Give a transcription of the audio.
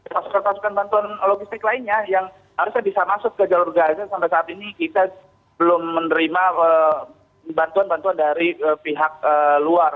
pasukan pasukan bantuan logistik lainnya yang harusnya bisa masuk ke jalur gaza sampai saat ini kita belum menerima bantuan bantuan dari pihak luar